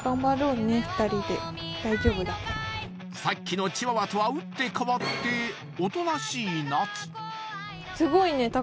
大丈夫だよねさっきのチワワとは打って変わっておとなしいなつスゴいね